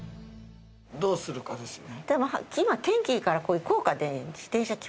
どうするかですよね。